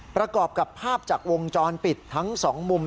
ประกอบกับภาพจากวงจรปิดทั้งสองมุม